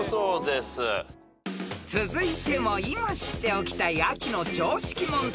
［続いても今知っておきたい秋の常識問題］